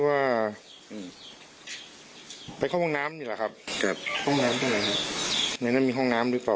เขาไม่พูดอะไรครับเขามองหน้า